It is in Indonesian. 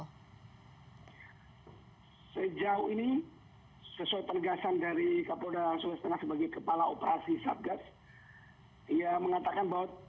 sejauh ini sesuai pernegasan dari kapolra sulawesi tengah sebagai kepala operasi satgas